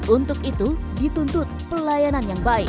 untuk itu dituntut pelayanan yang baik